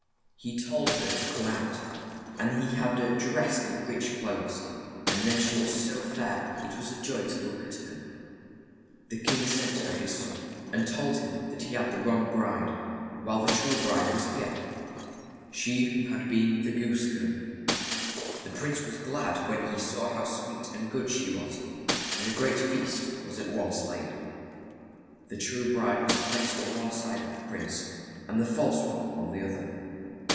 He told her to come out, and had her dressed in rich clothes, and then she was so fair it was joy to look at her. The king sent for his son and told him that he had the wrong bride, while the true bride was here, she who had been the goose girl. The prince was glad when he saw how sweet and good she was, and a great feast was at once laid. The true bride was placed on one side of the prince, and the false one on the oth er.